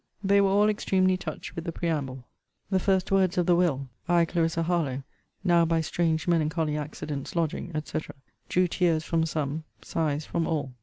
They were all extremely touched with the preamble. The first words of the will 'I, Clarissa Harlowe, now by strange melancholy accidents, lodging,' &c. drew tears from some, sighs from all.